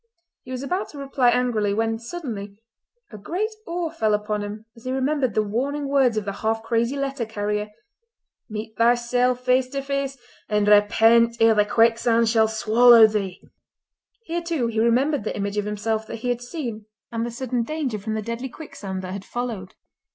He was about to reply angrily, when suddenly a great awe fell upon him as he remembered the warning words of the half crazy letter carrier: "Meet thyself face to face, and repent ere the quicksand shall swallow thee!" Here, too, he remembered the image of himself that he had seen and the sudden danger from the deadly quicksand that had followed.